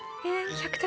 １００着！